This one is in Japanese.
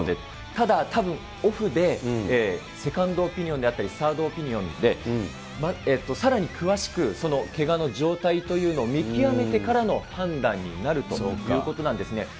ただ、たぶん、オフでセカンドオピニオンであったり、サードオピニオンでさらに詳しくけがの状態というのを見極めてからの判断になるということなんですね。